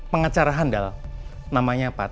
pengacara handal namanya pak